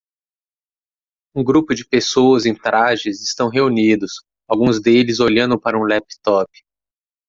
Um grupo de pessoas em trajes estão reunidos, alguns deles olhando para um laptop.